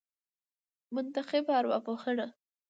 منتخبه ارواپوهنه